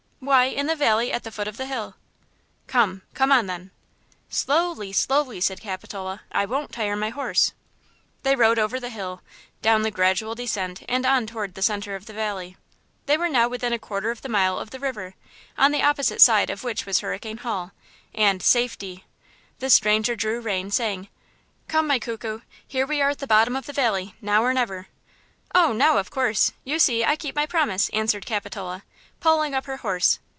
"Why, in the valley at the foot of the hill." "Come–come on, then." "Slowly, slowly," said Capitola; "I won't tire my horse." They rode over the hill, down the gradual descent and on toward the center of the valley. They were now within a quarter of a mile of the river, on the opposite side of which was Hurricane Hall and–safety! The stranger drew rein, saying: "Come my cuckoo; here we are at the bottom of the valley; now or never." "Oh, now, of course; you see, I keep my promise, answered Capitola, pulling up her horse.